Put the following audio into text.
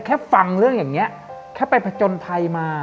ฟังเรื่องอย่างนี้แค่ไปผจญภัยมา